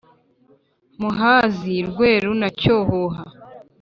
muhazi, rweru na cyohoha,